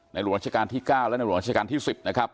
ในหลวงรับราชการที่๙และหลวงรับราชการที่๑๐นะครับ